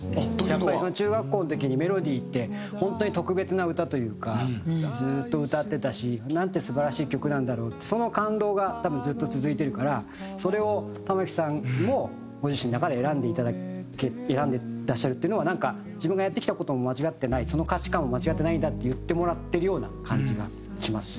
やっぱり中学校の時に『メロディー』って本当に特別な歌というかずっと歌ってたしなんて素晴らしい曲なんだろうってその感動が多分ずっと続いてるからそれを玉置さんもご自身の中で選んでいらっしゃるっていうのはなんか自分がやってきた事も間違ってないその価値観は間違ってないんだって言ってもらってるような感じがします。